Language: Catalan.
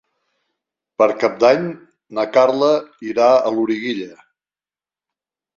Per Cap d'Any na Carla irà a Loriguilla.